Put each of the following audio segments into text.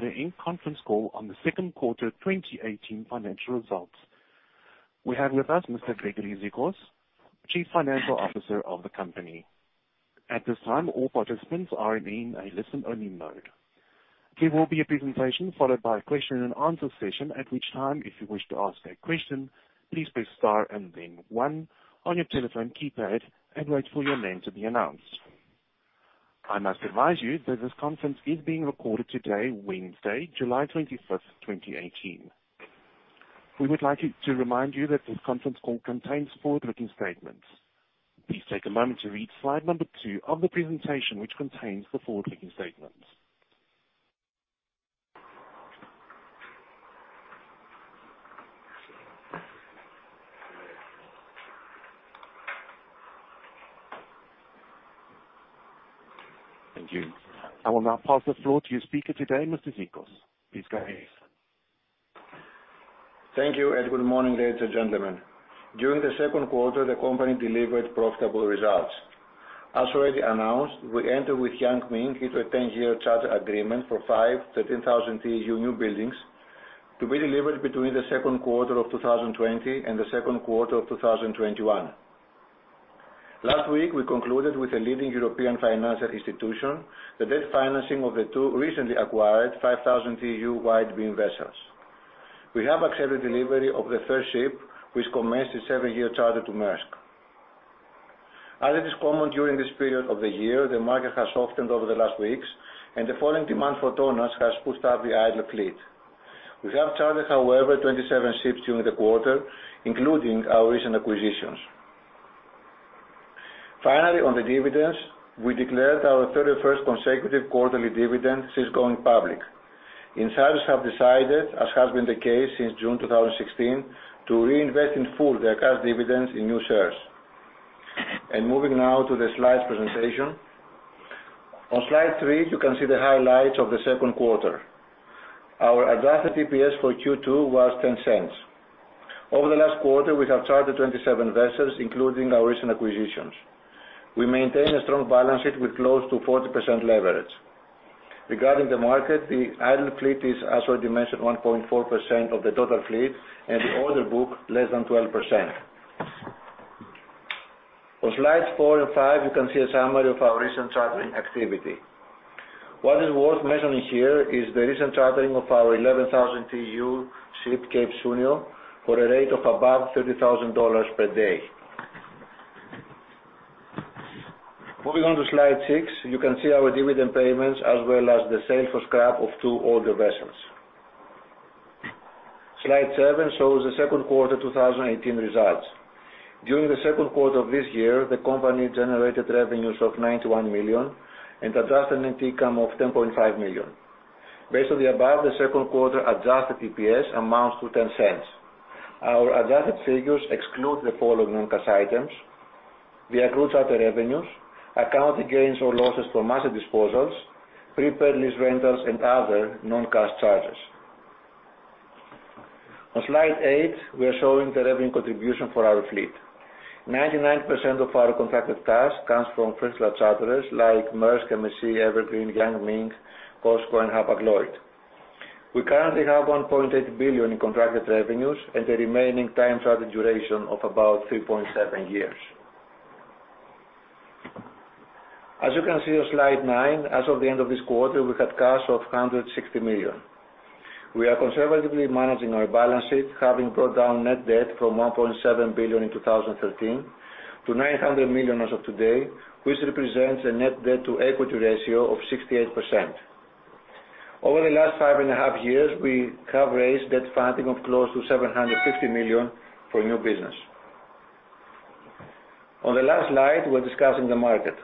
On the eighth conference call on the second quarter 2018 financial results. We have with us Mr. Gregory Zikos, Chief Financial Officer of the company. At this time, all participants are in a listen-only mode. There will be a presentation followed by a question-and-answer session, at which time, if you wish to ask a question, please press star and then one on your telephone keypad and wait for your name to be announced. I must advise you that this conference is being recorded today, Wednesday, July 25th, 2018. We would like to remind you that this conference call contains forward-looking statements. Please take a moment to read slide number two of the presentation, which contains the forward-looking statements. Thank you. I will now pass the floor to your speaker today, Mr. Zikos. Please go ahead. Thank you. Good morning, ladies and gentlemen. During the second quarter, the company delivered profitable results. As already announced, we entered with Yang Ming into a 10-year charter agreement for five 13,000 TEU new buildings to be delivered between the second quarter of 2020 and the second quarter of 2021. Last week, we concluded with a leading European financial institution, the debt financing of the two recently acquired 5,000 TEU wide-beam vessels. We have accepted delivery of the first ship, which commenced its seven-year charter to Maersk. As it is common during this period of the year, the market has softened over the last weeks, and the falling demand for tonners has pushed up the idle fleet. We have chartered, however, 27 ships during the quarter, including our recent acquisitions. Finally, on the dividends, we declared our 31st consecutive quarterly dividend since going public. Insiders have decided, as has been the case since June 2016, to reinvest in full their cash dividends in new shares. Moving now to the slides presentation. On slide three, you can see the highlights of the second quarter. Our adjusted EPS for Q2 was $0.10. Over the last quarter, we have chartered 27 vessels, including our recent acquisitions. We maintain a strong balance sheet with close to 40% leverage. Regarding the market, the idle fleet is, as already mentioned, 1.4% of the total fleet and the order book less than 12%. On slides four and five, you can see a summary of our recent chartering activity. What is worth mentioning here is the recent chartering of our 11,000 TEU ship Cape Sounio for a rate of above $30,000 per day. Moving on to slide six, you can see our dividend payments as well as the sale for scrap of two older vessels. Slide seven shows the second quarter 2018 results. During the second quarter of this year, the company generated revenues of $91 million and adjusted net income of $10.5 million. Based on the above, the second quarter adjusted EPS amounts to $0.10. Our adjusted figures exclude the following non-cash items: the accrued charter revenues, accounting gains or losses from asset disposals, prepaid lease rentals, and other non-cash charges. On slide eight, we are showing the revenue contribution for our fleet. 99% of our contracted cash comes from first-class charterers like Maersk, MSC, Evergreen, Yang Ming, COSCO, and Hapag-Lloyd. We currently have $1.8 billion in contracted revenues and a remaining time charter duration of about 3.7 years. As you can see on slide nine, as of the end of this quarter, we had cash of $160 million. We are conservatively managing our balance sheet, having brought down net debt from $1.7 billion in 2013 to $900 million as of today, which represents a net debt to equity ratio of 68%. Over the last five and a half years, we have raised debt funding of close to $750 million for new business. On the last slide, we're discussing the market.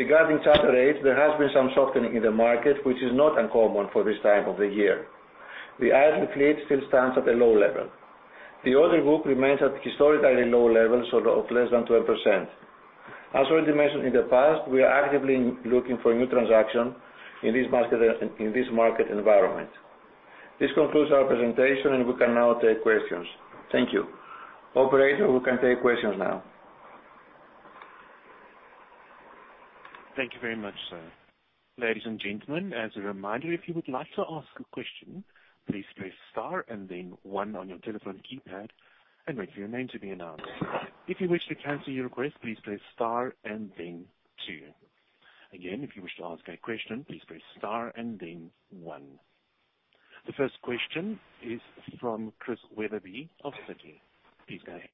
Regarding charter rates, there has been some softening in the market, which is not uncommon for this time of the year. The idle fleet still stands at a low level. The order book remains at historically low levels of less than 12%. As already mentioned in the past, we are actively looking for new transaction in this market environment. This concludes our presentation. We can now take questions. Thank you. Operator, we can take questions now. Thank you very much, sir. Ladies and gentlemen, as a reminder, if you would like to ask a question, please press star and then one on your telephone keypad and wait for your name to be announced. If you wish to cancel your request, please press star and then two. Again, if you wish to ask a question, please press star and then one. The first question is from Christian Wetherbee of Citi. Please go ahead.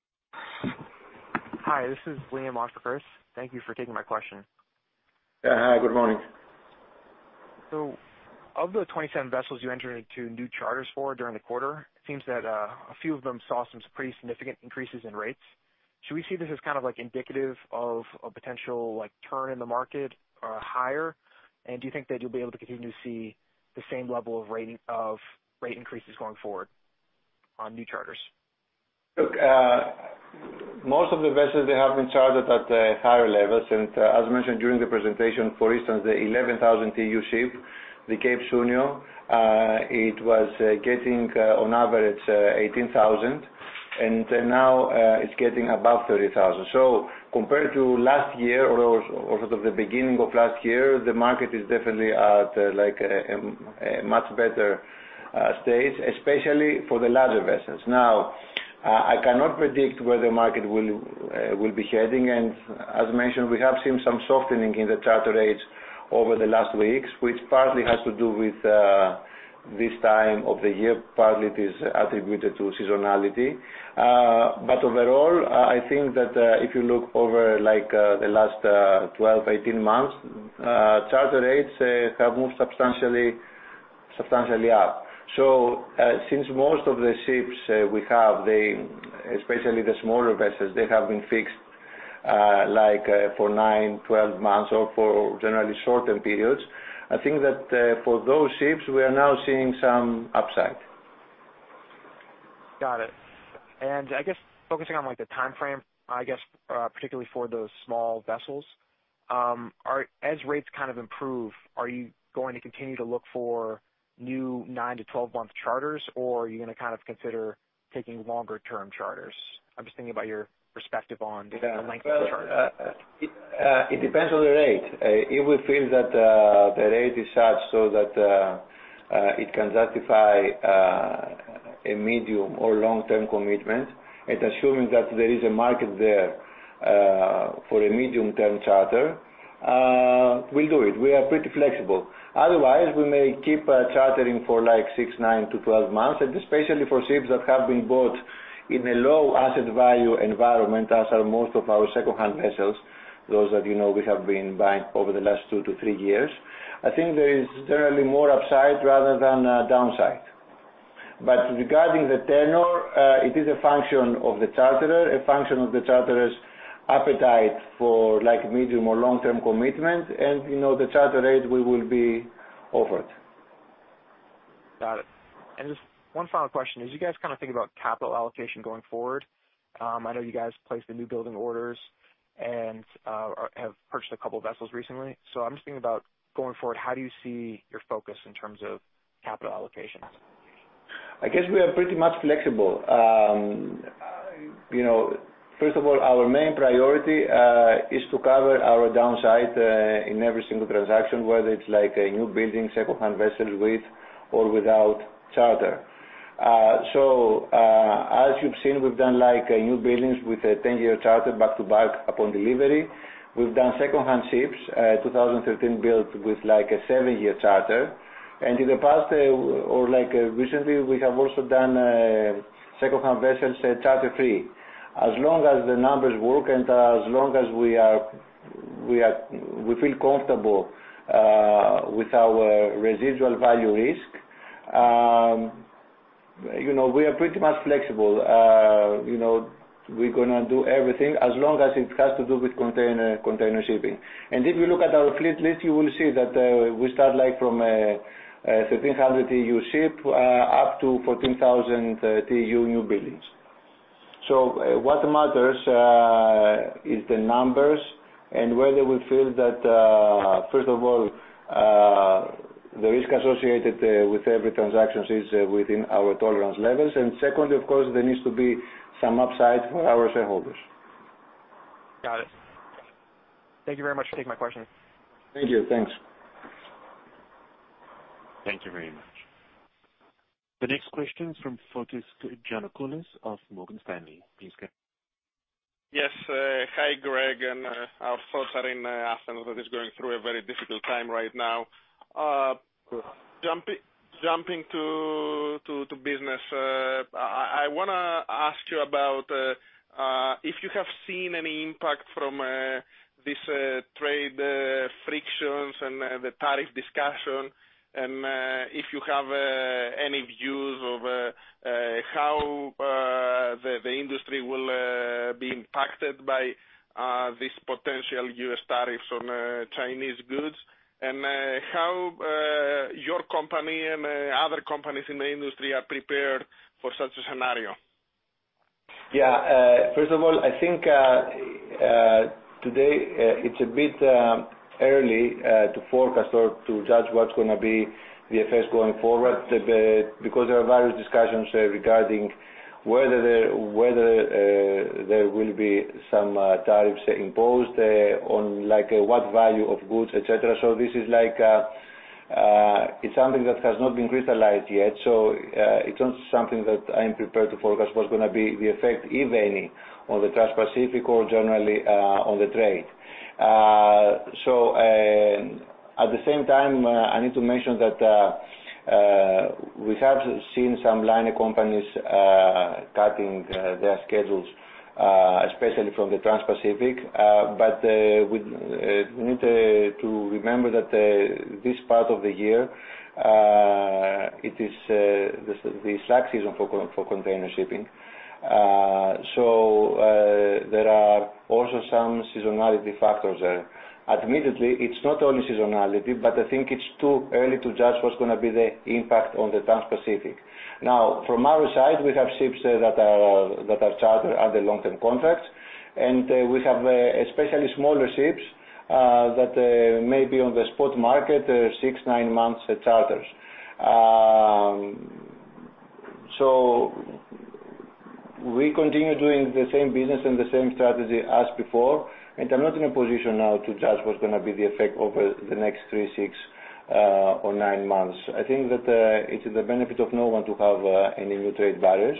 Hi, this is Liam off of Chris. Thank you for taking my question. Hi. Good morning. Of the 27 vessels you entered into new charters for during the quarter, it seems that a few of them saw some pretty significant increases in rates. Should we see this as indicative of a potential turn in the market or higher? Do you think that you'll be able to continue to see the same level of rate increases going forward on new charters? Look, most of the vessels, they have been chartered at higher levels. As mentioned during the presentation, for instance, the 11,000 TEU ship, the Cape Sounio, it was getting on average 18,000. Now it's getting above 30,000. Compared to last year or sort of the beginning of last year, the market is definitely at a much better stage, especially for the larger vessels. Now, I cannot predict where the market will be heading, and as mentioned, we have seen some softening in the charter rates over the last weeks, which partly has to do with this time of the year, partly it is attributed to seasonality. Overall, I think that if you look over the last 12, 18 months, charter rates have moved substantially up. Since most of the ships we have, especially the smaller vessels, they have been fixed for nine, 12 months or for generally shorter periods. I think that for those ships, we are now seeing some upside. Got it. I guess focusing on the time frame, I guess, particularly for those small vessels, as rates kind of improve, are you going to continue to look for new 9-12 month charters, or are you going to consider taking longer-term charters? I'm just thinking about your perspective on the length of the charter. It depends on the rate. If we feel that the rate is such so that it can justify a medium or long-term commitment, assuming that there is a market there for a medium-term charter, we'll do it. We are pretty flexible. Otherwise, we may keep chartering for six, 9-12 months, especially for ships that have been bought in a low asset value environment, as are most of our second-hand vessels, those that you know we have been buying over the last two to three years. I think there is generally more upside rather than downside. Regarding the tenure, it is a function of the charterer, a function of the charterer's appetite for medium or long-term commitment, and the charter rate we will be offered. Got it. Just one final question. As you guys think about capital allocation going forward, I know you guys placed the new building orders and have purchased a couple of vessels recently. I'm just thinking about going forward, how do you see your focus in terms of capital allocation? I guess we are pretty much flexible. First of all, our main priority is to cover our downside in every single transaction, whether it's a new building, second-hand vessels with or without charter. As you've seen, we've done new buildings with a 10-year charter back-to-back upon delivery. We've done second-hand ships, 2013 build with a seven-year charter. In the past or recently, we have also done second-hand vessels charter-free. As long as the numbers work and as long as we feel comfortable with our residual value risk, we are pretty much flexible. We're going to do everything as long as it has to do with container shipping. If you look at our fleet list, you will see that we start from a 1,300 TEU ship up to 14,000 TEU new buildings. What matters is the numbers and whether we feel that first of all, the risk associated with every transaction is within our tolerance levels, and secondly, of course, there needs to be some upside for our shareholders. Got it. Thank you very much for taking my question. Thank you. Thanks. Thank you very much. The next question is from Fotis Giannakoulis of Morgan Stanley. Please go ahead. Yes. Hi, Greg, our thoughts are in Athens that is going through a very difficult time right now. Jumping to business, I want to ask you about if you have seen any impact from this trade frictions and the tariff discussion, and if you have any views of how the industry will be impacted by this potential U.S. tariffs on Chinese goods, and how your company and other companies in the industry are prepared for such a scenario. Yeah. First of all, I think today it's a bit early to forecast or to judge what's going to be the effects going forward because there are various discussions regarding whether there will be some tariffs imposed on what value of goods, et cetera. This is something that has not been crystallized yet. It's not something that I am prepared to forecast what's going to be the effect, if any, on the Trans-Pacific or generally on the trade. At the same time, I need to mention that we have seen some liner companies cutting their schedules, especially from the Trans-Pacific. We need to remember that this part of the year, it is the slack season for container shipping. There are also some seasonality factors there. Admittedly, it's not only seasonality, but I think it's too early to judge what's going to be the impact on the Trans-Pacific. Now, from our side, we have ships that are chartered under long-term contracts, and we have especially smaller ships that may be on the spot market six, nine months charters. We continue doing the same business and the same strategy as before, and I'm not in a position now to judge what's going to be the effect over the next three, six, or nine months. I think that it's in the benefit of no one to have any new trade barriers,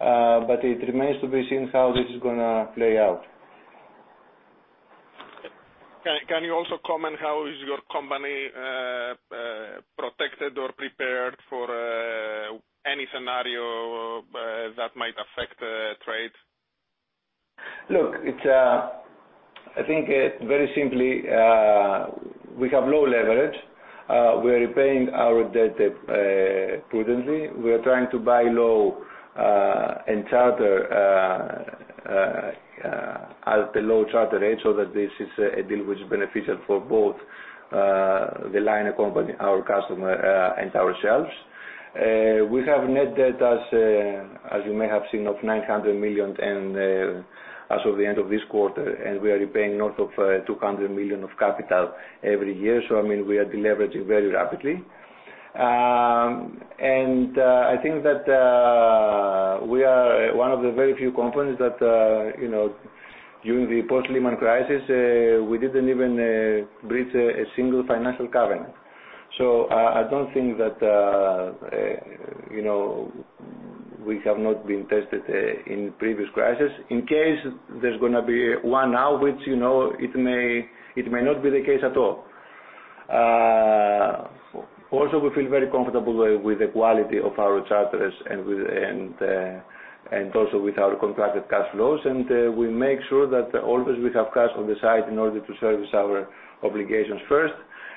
but it remains to be seen how this is going to play out. Can you also comment how is your company protected or prepared for any scenario that might affect trade? Look, I think very simply we have low leverage. We're repaying our debt prudently. We are trying to buy low and charter at a low charter rate so that this is a deal which is beneficial for both the liner company, our customer, and ourselves. We have net debt as you may have seen, of $900 million as of the end of this quarter, and we are repaying north of $200 million of capital every year. I mean, we are deleveraging very rapidly. I think that we are one of the very few companies that during the post-Lehman crisis we didn't even breach a single financial covenant. I don't think that we have not been tested in previous crisis. In case there's going to be one now, which it may not be the case at all. Also we feel very comfortable with the quality of our charters and also with our contracted cash flows. We make sure that always we have cash on the side in order to service our obligations first,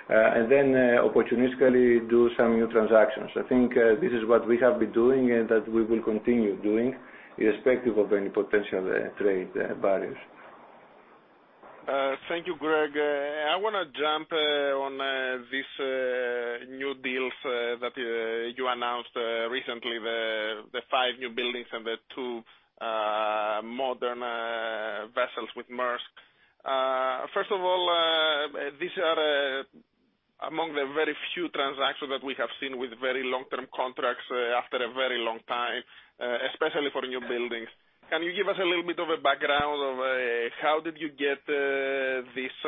and then opportunistically do some new transactions. I think this is what we have been doing and that we will continue doing irrespective of any potential trade barriers. Thank you, Greg. I want to jump on these new deals that you announced recently, the five new buildings and the two modern vessels with Maersk. First of all, these are among the very few transactions that we have seen with very long-term contracts after a very long time, especially for new buildings. Can you give us a little bit of a background of how did you get these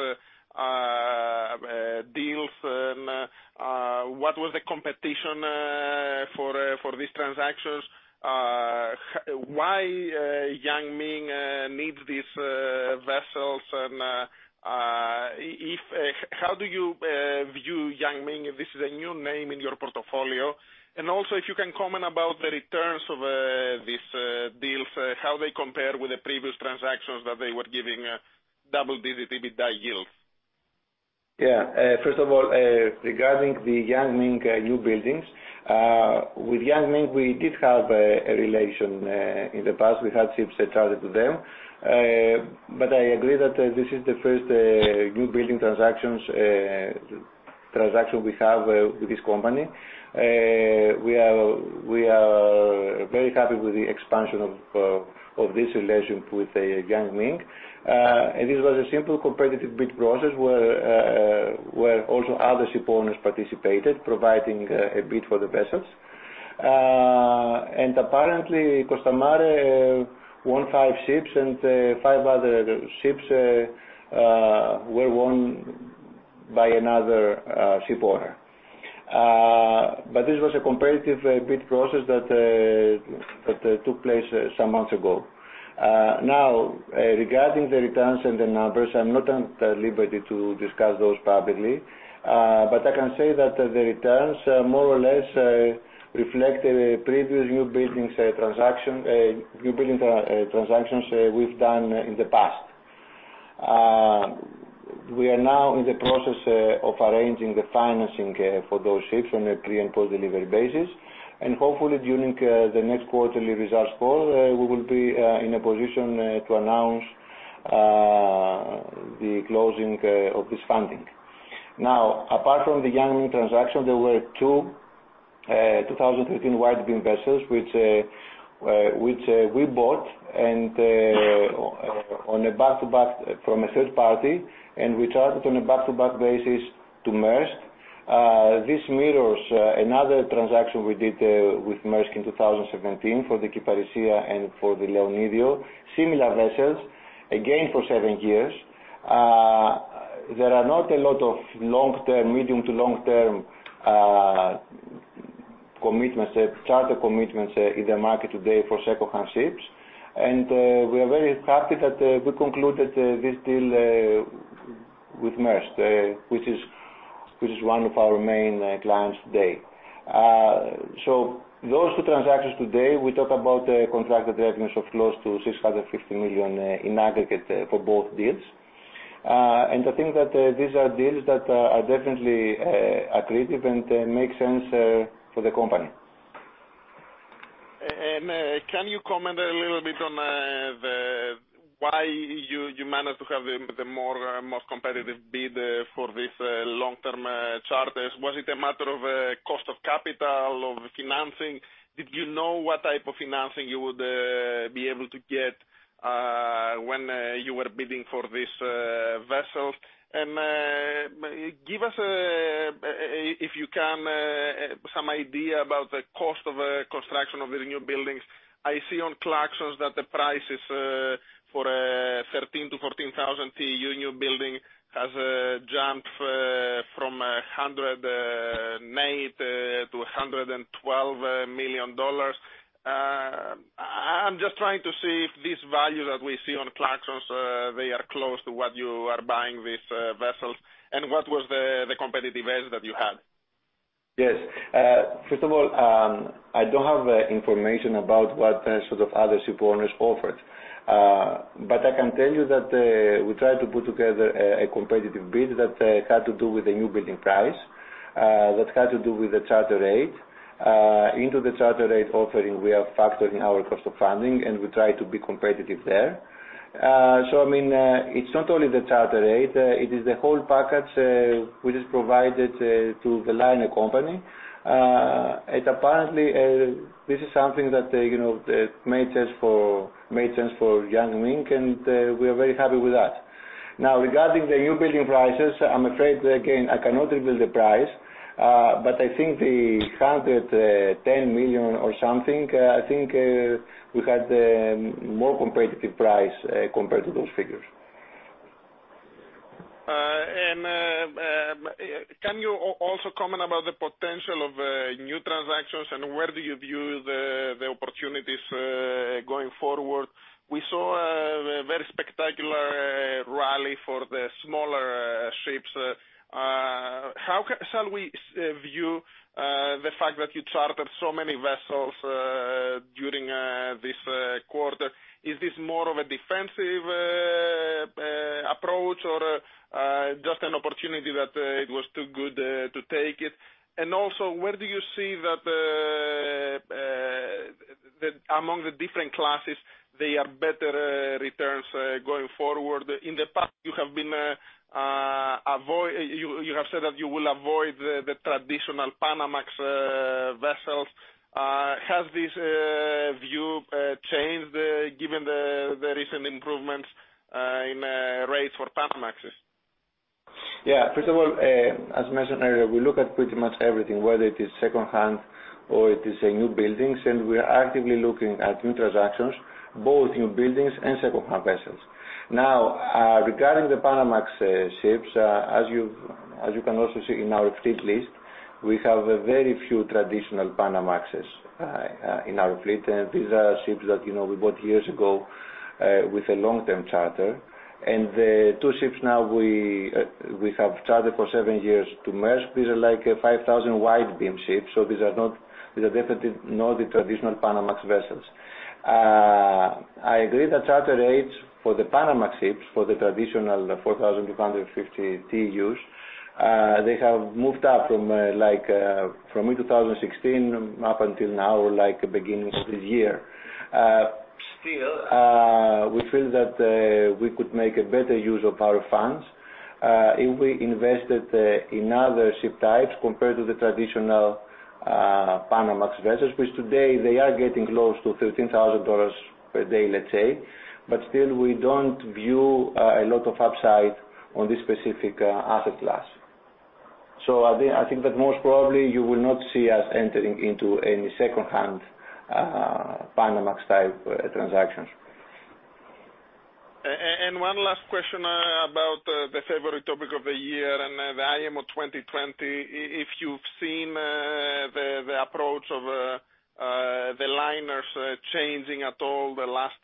deals and what was the competition for these transactions? Why Yang Ming needs these vessels, and how do you view Yang Ming if this is a new name in your portfolio? Also, if you can comment about the returns of these deals, how they compare with the previous transactions that they were giving double-digit EBITDA yields. Yeah. First of all, regarding the Yang Ming new buildings, with Yang Ming, we did have a relation in the past. We had ships chartered to them. I agree that this is the first new building transaction we have with this company. We are very happy with the expansion of this relationship with Yang Ming. This was a simple competitive bid process where also other ship owners participated, providing a bid for the vessels. Apparently, Costamare won five ships, and five other ships were won by another ship owner. This was a competitive bid process that took place some months ago. Now, regarding the returns and the numbers, I'm not at liberty to discuss those publicly. I can say that the returns are more or less reflect previous new building transactions we've done in the past. We are now in the process of arranging the financing for those ships on a pre and post-delivery basis. Hopefully during the next quarterly results call, we will be in a position to announce the closing of this funding. Apart from the Yang Ming transaction, there were two 2013 wide-beam vessels, which we bought from a third party, and we chartered on a back-to-back basis to Maersk. This mirrors another transaction we did with Maersk in 2017 for the Kyparissia and for the Leonidio. Similar vessels, again, for seven years. There are not a lot of medium to long-term charter commitments in the market today for secondhand ships. We are very happy that we concluded this deal with Maersk which is one of our main clients today. Those two transactions today, we talk about contracted revenues of close to $650 million in aggregate for both deals. I think that these are deals that are definitely accretive and make sense for the company. Can you comment a little bit on why you managed to have the most competitive bid for this long-term charter? Was it a matter of cost of capital or financing? Did you know what type of financing you would be able to get? You were bidding for these vessels. Give us, if you can, some idea about the cost of construction of the new buildings. I see on Clarksons that the price for a 13,000-14,000 TEU new building has jumped from $108 million-$112 million. I’m just trying to see if these values that we see on Clarksons are close to what you are buying these vessels, and what was the competitive edge that you had? Yes. First of all, I don’t have information about what sort of other ship owners offered. I can tell you that we tried to put together a competitive bid that had to do with the new building price, that had to do with the charter rate. Into the charter rate offering, we have factored in our cost of funding, we try to be competitive there. It’s not only the charter rate, it is the whole package which is provided to the liner company. Apparently, this is something that made sense for Yang Ming, we are very happy with that. Regarding the new building prices, I’m afraid, again, I cannot reveal the price. I think the $110 million or something, I think we had a more competitive price compared to those figures. Can you also comment about the potential of new transactions, where do you view the opportunities going forward? We saw a very spectacular rally for the smaller ships. How shall we view the fact that you chartered so many vessels during this quarter? Is this more of a defensive approach or just an opportunity that it was too good to take it? Also, where do you see that among the different classes, there are better returns going forward? In the past, you have said that you will avoid the traditional Panamax vessels. Has this view changed given the recent improvements in rates for Panamax? Yeah. First of all, as mentioned earlier, we look at pretty much everything, whether it is secondhand or it is new buildings, we are actively looking at new transactions, both new buildings and secondhand vessels. Now, regarding the Panamax ships, as you can also see in our fleet list, we have a very few traditional Panamax in our fleet. These are ships that we bought years ago with a long-term charter. The two ships now we have chartered for seven years to Maersk, these are 5,000 wide-beam ships, so these are definitely not the traditional Panamax vessels. I agree that charter rates for the Panamax ships, for the traditional 4,250 TEUs, they have moved up from 2016 up until now, or beginning of this year. Still, we feel that we could make a better use of our funds if we invested in other ship types compared to the traditional Panamax vessels, which today they are getting close to $13,000 per day, let’s say. We don’t view a lot of upside on this specific asset class. I think that most probably you will not see us entering into any secondhand Panamax-type transactions. One last question about the favorite topic of the year and the IMO 2020, if you’ve seen the approach of the liners changing at all the last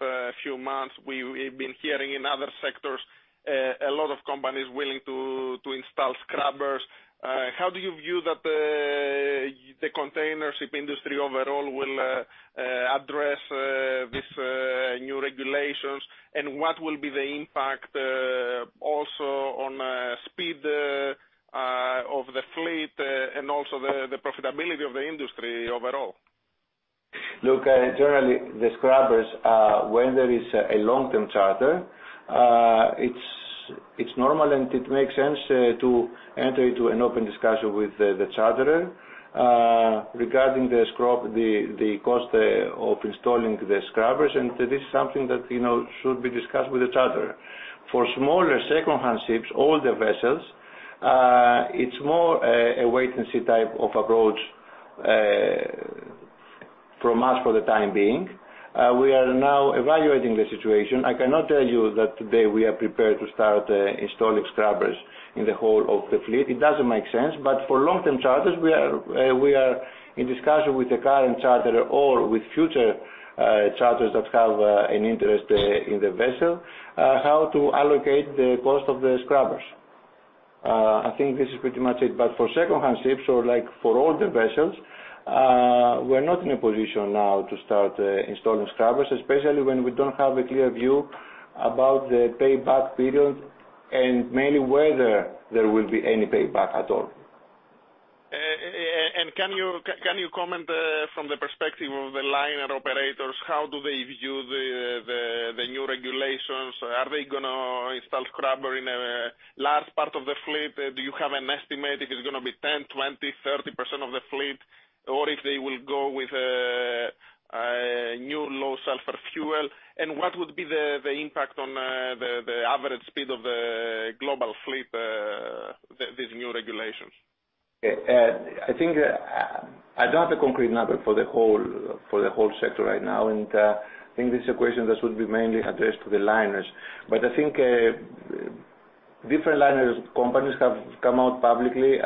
few months. We’ve been hearing in other sectors a lot of companies willing to install scrubbers. How do you view that the container ship industry overall will address these new regulations, and what will be the impact also on speed of the fleet and also the profitability of the industry overall? Generally, the scrubbers, when there is a long-term charter, it's normal and it makes sense to enter into an open discussion with the charterer regarding the cost of installing the scrubbers, and this is something that should be discussed with the charterer. For smaller secondhand ships, older vessels, it's more a wait-and-see type of approach from us for the time being. We are now evaluating the situation. I cannot tell you that today we are prepared to start installing scrubbers in the whole of the fleet. It doesn't make sense. For long-term charters, we are in discussion with the current charterer or with future charterers that have an interest in the vessel, how to allocate the cost of the scrubbers. I think this is pretty much it. For secondhand ships or for older vessels, we're not in a position now to start installing scrubbers, especially when we don't have a clear view about the payback period and mainly whether there will be any payback at all. Can you comment from the perspective of the liner operators, how do they view the new regulations? Are they going to install scrubber in a large part of the fleet? Do you have an estimate if it's going to be 10%, 20%, 30% of the fleet, or if they will go with a new low sulfur fuel. What would be the impact on the average speed of the global fleet, these new regulations? I think I don't have the concrete number for the whole sector right now, I think this equation, this would be mainly addressed to the liners. I think, different liners companies have come out publicly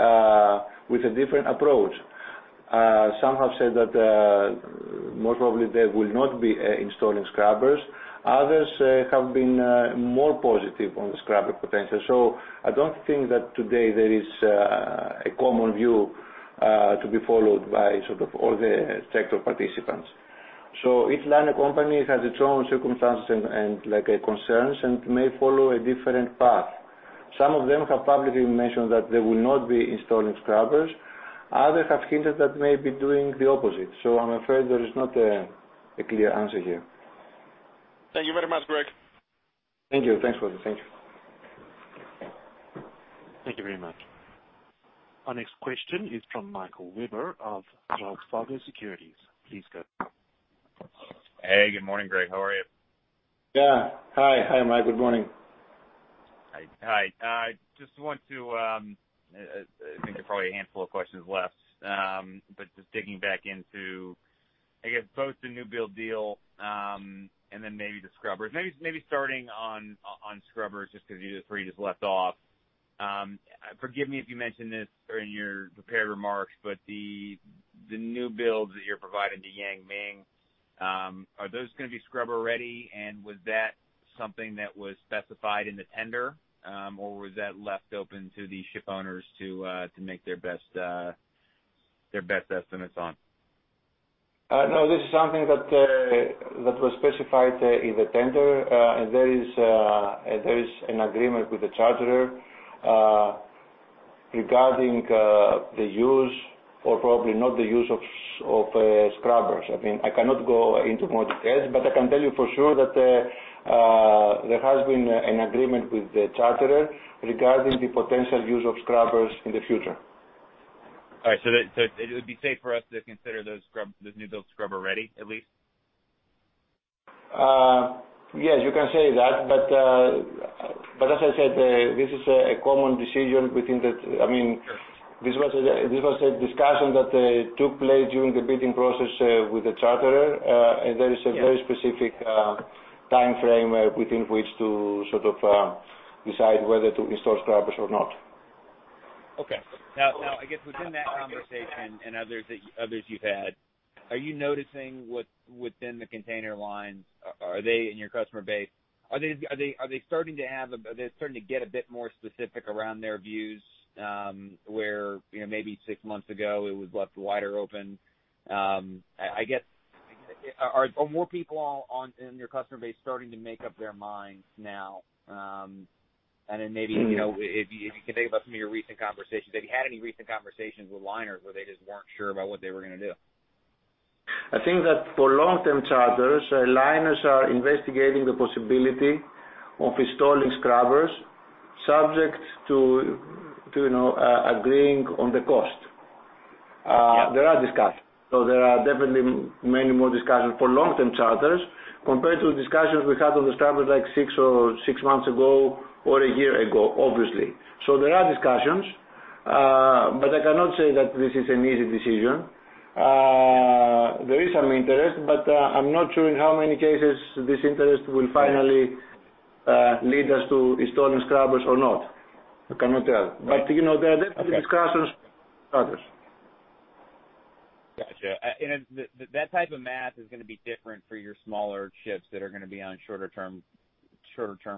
with a different approach. Some have said that, most probably they will not be installing scrubbers. Others have been more positive on the scrubber potential. I don't think that today there is a common view to be followed by sort of all the sector participants. Each liner company has its own circumstances and concerns and may follow a different path. Some of them have publicly mentioned that they will not be installing scrubbers. Others have hinted that may be doing the opposite. I'm afraid there is not a clear answer here. Thank you very much, Greg. Thank you. Thanks for that. Thank you. Thank you very much. Our next question is from Michael Webber of Clarksons Platou Securities. Please go ahead. Hey, good morning, Greg. How are you? Yeah. Hi, Mike. Good morning. Hi. I think there are probably a handful of questions left. Just digging back into, I guess both the new build deal, and then maybe the scrubbers. Maybe starting on scrubbers, just because where you just left off. Forgive me if you mentioned this during your prepared remarks, the new builds that you're providing to Yang Ming, are those going to be scrubber-ready? Was that something that was specified in the tender? Was that left open to the ship owners to make their best estimates on? No, this is something that was specified in the tender. There is an agreement with the charterer regarding the use or probably not the use of scrubbers. I cannot go into more details, I can tell you for sure that there has been an agreement with the charterer regarding the potential use of scrubbers in the future. All right. It would be safe for us to consider those new builds scrubber-ready, at least? Yes, you can say that. As I said, this is a common decision. This was a discussion that took place during the bidding process with the charterer. There is a very specific timeframe within which to sort of decide whether to install scrubbers or not. Okay. Now, I guess within that conversation and others you've had, are you noticing within the container lines, are they in your customer base? Are they starting to get a bit more specific around their views, where maybe six months ago, it was left wider open? Are more people in your customer base starting to make up their minds now? Maybe, if you can think about some of your recent conversations, have you had any recent conversations with liners where they just weren't sure about what they were going to do? I think that for long-term charters, liners are investigating the possibility of installing scrubbers, subject to agreeing on the cost. Yeah. There are discussions. There are definitely many more discussions for long-term charters compared to discussions we had on the scrubbers six months ago or a year ago, obviously. There are discussions, but I cannot say that this is an easy decision. There is some interest, but I'm not sure in how many cases this interest will finally lead us to installing scrubbers or not. I cannot tell. There are definitely discussions with charters. Got you. That type of math is going to be different for your smaller ships that are going to be on shorter term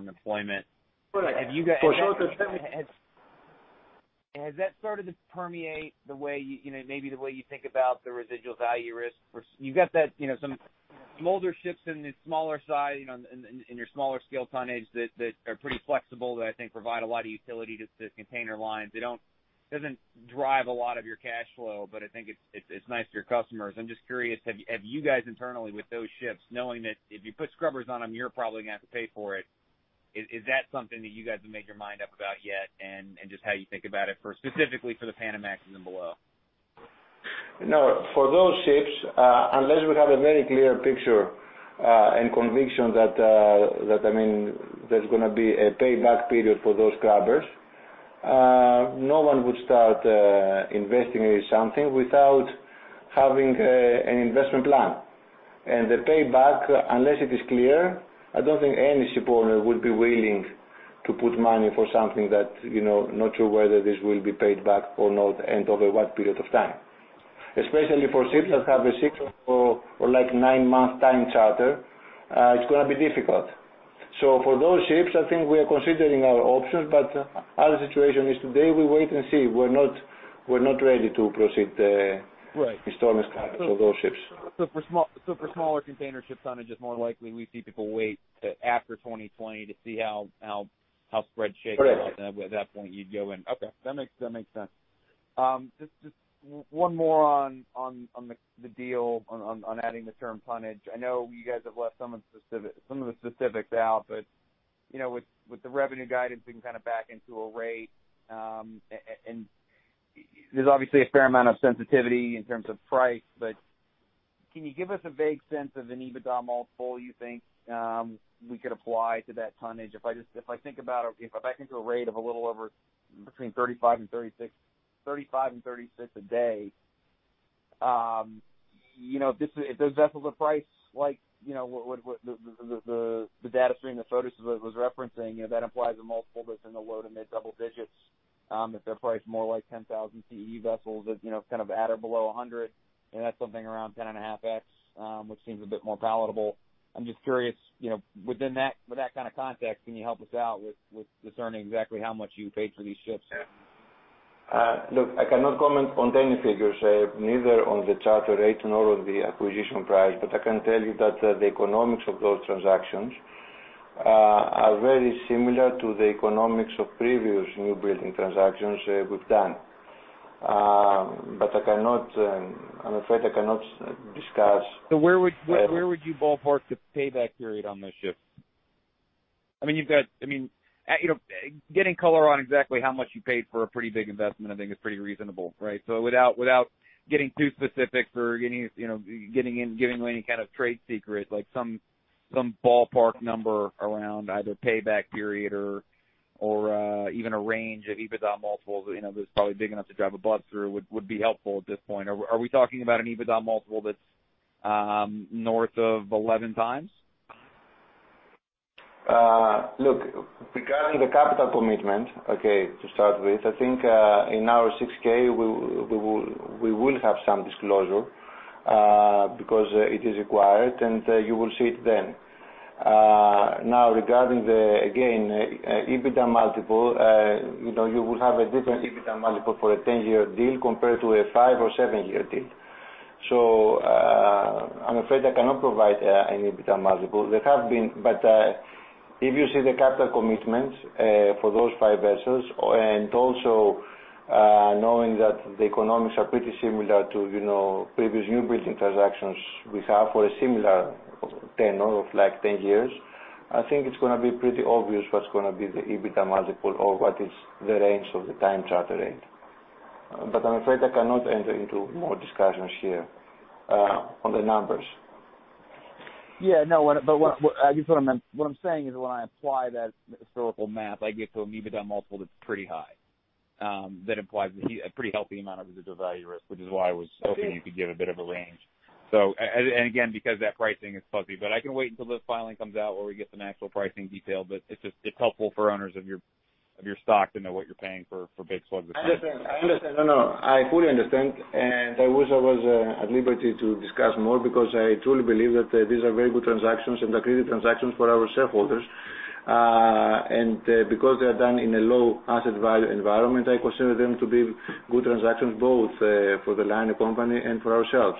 employment. Correct. For shorter term- Has that started to permeate the way you think about the residual value risk for some older ships in the smaller size, in your smaller scale tonnage that are pretty flexible, that I think provide a lot of utility to container lines. It doesn't drive a lot of your cash flow, but I think it's nice for your customers. I'm just curious, have you guys internally with those ships, knowing that if you put scrubbers on them, you're probably going to have to pay for it. Is that something that you guys have made your mind up about yet, and just how you think about it specifically for the Panamax and below? No. For those ships, unless we have a very clear picture, and conviction that there's going to be a payback period for those scrubbers. No one would start investing in something without having an investment plan. The payback, unless it is clear, I don't think any ship owner would be willing to put money for something that, not sure whether this will be paid back or not, and over what period of time. Especially for ships that have a six or nine-month time charter, it's going to be difficult. For those ships, I think we are considering our options, but as the situation is today, we wait and see. We're not ready to proceed- Right installing scrubbers for those ships. For smaller container ship tonnages, more likely we see people wait to after 2020 to see how spread shapes up. Correct. At that point, you'd go in. Okay. That makes sense. Just one more on the deal on adding the term tonnage. I know you guys have left some of the specifics out, but With the revenue guidance, we can back into a rate. There's obviously a fair amount of sensitivity in terms of price, but can you give us a vague sense of an EBITDA multiple you think we could apply to that tonnage? If I think about it, if I think of a rate of a little over between $35 and $36 a day, if those vessels are priced like the data stream that Fotis was referencing, that implies a multiple that's in the low to mid double digits. If they're priced more like 10,000 TEU vessels, that's at or below $100, and that's something around 10.5x, which seems a bit more palatable. I'm just curious, within that kind of context, can you help us out with discerning exactly how much you paid for these ships? Look, I cannot comment on any figures, neither on the charter rate nor on the acquisition price. I can tell you that the economics of those transactions are very similar to the economics of previous newbuilding transactions we've done. I'm afraid I cannot discuss. Where would you ballpark the payback period on the ship? Getting color on exactly how much you paid for a pretty big investment I think is pretty reasonable, right? Without getting too specific or giving away any kind of trade secret, like some ballpark number around either payback period or even a range of EBITDA multiples that's probably big enough to drive a bus through would be helpful at this point. Are we talking about an EBITDA multiple that's north of 11 times? Look, regarding the capital commitment, okay, to start with, I think in our 6-K, we will have some disclosure because it is required, and you will see it then. Now, regarding the, again, EBITDA multiple you will have a different EBITDA multiple for a 10-year deal compared to a five or seven-year deal. I'm afraid I cannot provide an EBITDA multiple. If you see the capital commitments for those five vessels and also knowing that the economics are pretty similar to previous newbuilding transactions we have for a similar tenure of 10 years, I think it's going to be pretty obvious what's going to be the EBITDA multiple or what is the range of the time charter rate. I'm afraid I cannot enter into more discussions here on the numbers. Yeah. No, what I just want to mention, what I'm saying is when I apply that historical math, I get to an EBITDA multiple that's pretty high. That implies a pretty healthy amount of residual value risk, which is why I was hoping you could give a bit of a range. Again, because that pricing is fuzzy. I can wait until this filing comes out where we get some actual pricing detail. It's helpful for owners of your stock to know what you're paying for big slugs of. I understand. No, I fully understand. I wish I was at liberty to discuss more because I truly believe that these are very good transactions and accretive transactions for our shareholders. Because they are done in a low asset value environment, I consider them to be good transactions both for the liner company and for ourselves.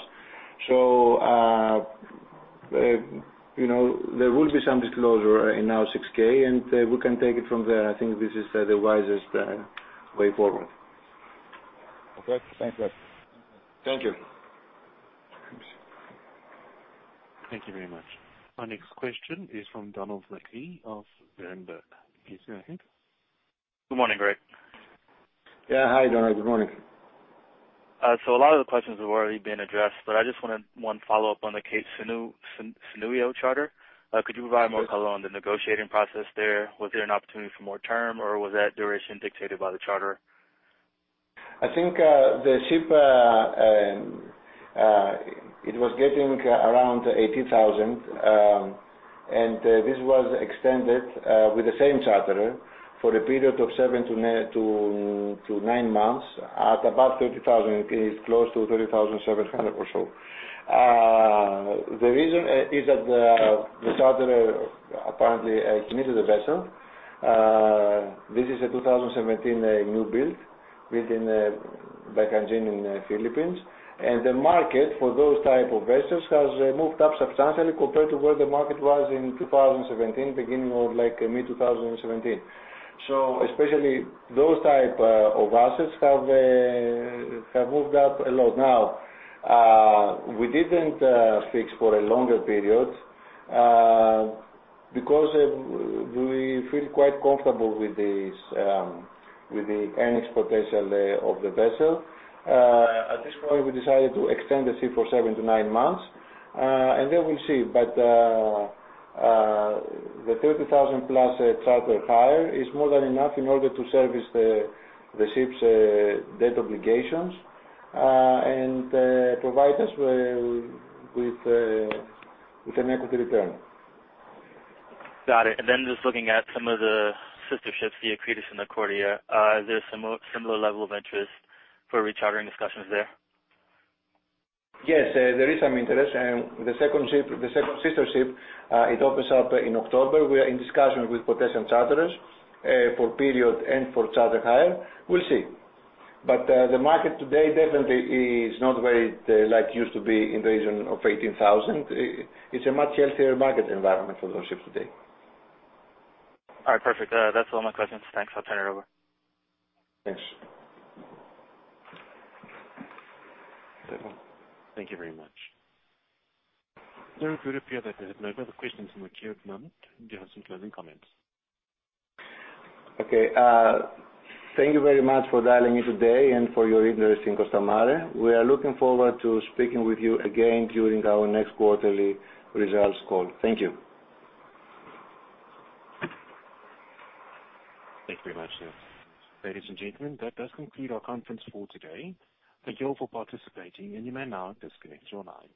There will be some disclosure in our 6-K, and we can take it from there. I think this is the wisest way forward. Okay. Thanks, Fotis. Thank you. Thank you very much. Our next question is from Donald McLee of Berenberg. Please go ahead. Good morning, Greg. Yeah. Hi, Donald. Good morning. A lot of the questions have already been addressed, but I just want to follow up on the Cape Sounio charter. Could you provide more color on the negotiating process there? Was there an opportunity for more term, or was that duration dictated by the charterer? I think the ship was getting around $18,000, this was extended with the same charterer for a period of seven to nine months at about $30,000. It is close to $30,700 or so. The reason is that the charterer apparently committed a vessel. This is a 2017 new build by Hanjin in Philippines, the market for those type of vessels has moved up substantially compared to where the market was in 2017, beginning of mid-2017. especially those type of assets have moved up a lot. We didn't fix for a longer period because we feel quite comfortable with the earnings potential of the vessel. At this point, we decided to extend the ship for seven to nine months, then we'll see. The $30,000-plus charter hire is more than enough in order to service the ship's debt obligations and provide us with an equity return. Got it. Just looking at some of the sister ships, the Accretis and Accordia, are there similar level of interest for rechartering discussions there? Yes, there is some interest. The second sister ship opens up in October. We are in discussion with potential charterers for period and for charter hire. We'll see. The market today definitely is not where it used to be in the region of 18,000. It's a much healthier market environment for those ships today. All right. Perfect. That's all my questions. Thanks. I'll turn it over. Thanks. Thank you very much. Sir, it would appear that we have no other questions in the queue at the moment. Do you have some closing comments? Okay. Thank you very much for dialing in today and for your interest in Costamare. We are looking forward to speaking with you again during our next quarterly results call. Thank you. Thank you very much, sir. Ladies and gentlemen, that does conclude our conference call today. Thank you all for participating, and you may now disconnect your line.